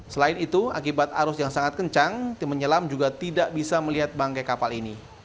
selain itu akibat arus yang sangat kencang tim menyelam juga tidak bisa melihat bangkai kapal ini